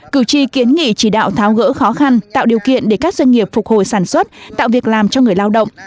cử tri kiến nghị chỉ đạo tháo gỡ khó khăn tạo điều kiện để các doanh nghiệp phục hồi sản xuất tạo việc làm cho người lao động